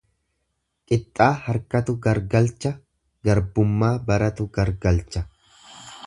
Qixxaa harkatu gargalcha, garbummaa baratu gargalcha.